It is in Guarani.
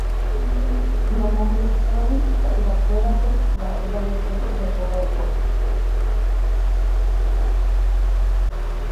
nomombe'uségui ita'yrakuérape mba'e vaiete ojapova'ekue